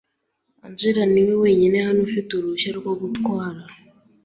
Angella niwe wenyine hano ufite uruhushya rwo gutwara.